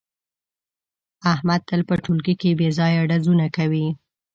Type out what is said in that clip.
احمد تل په ټولگي کې بې ځایه ډزونه کوي.